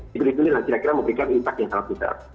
dipilih pilih dan kira kira memberikan impact yang sangat besar